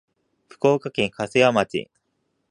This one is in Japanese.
福岡県粕屋町